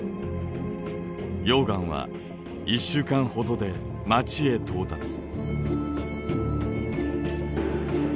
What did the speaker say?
溶岩は１週間ほどで街へ到達。